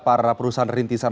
kepada para perusahaan rintangan